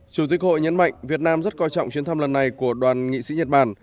chủ tịch hội nhấn mạnh việt nam rất coi trọng chuyến thăm lần này của đoàn nghị sĩ nhật bản